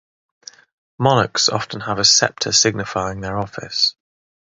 Monarchs often have a sceptre signifying their office.